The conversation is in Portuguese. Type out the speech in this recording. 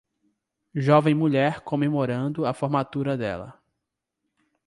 Jovem mulher comemorando a formatura dela.